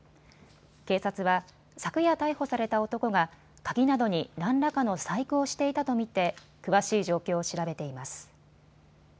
警察は昨夜逮捕された男が鍵などに何らかの細工をしていたと見て詳しい状況を調べています。